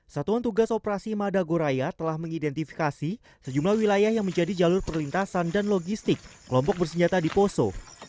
satuan tugas operasi madagoraya telah mengidentifikasi sejumlah wilayah yang menjadi jalur perlintasan dan logistik kelompok bersenjata di poso